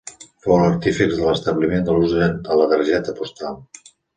Fou l'artífex de l'establiment de l'ús de la targeta postal.